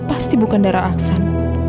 pasti bukan darah aksan